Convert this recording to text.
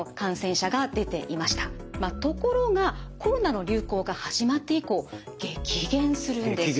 ところがコロナの流行が始まって以降激減するんです。